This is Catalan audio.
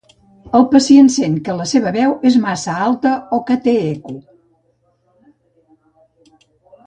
El pacient sent que la seva veu és massa alta o que té eco.